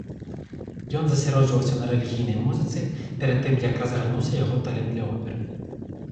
Ён засяроджваўся на рэлігійнай музыцы, перад тым як разгарнуўся яго талент для оперы.